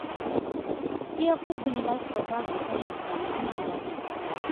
د یعقوب بن لیث په باب لیکني افسانوي رنګ لري.